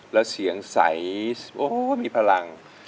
แล้วเสียงใสมีพลัง